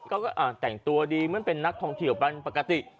ก็แต่งตัวดีเหมือนเป็นนักท่องเที่ยวเป็นปกติ